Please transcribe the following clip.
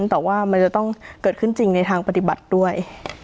แต่ว่ามันจะต้องเกิดขึ้นจริงในทางปฏิบัติด้วย